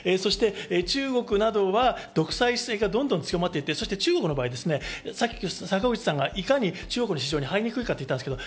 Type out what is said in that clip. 中国などは独裁制がどんどん強まって、中国の場合は坂口さんがいかに中国の市場に入りにくいかと言ってましたけど、